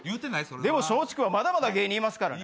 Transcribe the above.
でも松竹はまだまだ芸人いますからね。